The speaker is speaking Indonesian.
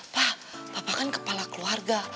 pa papa kan kepala keluarga